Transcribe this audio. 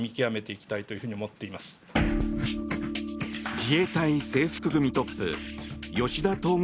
自衛隊制服組トップ吉田統合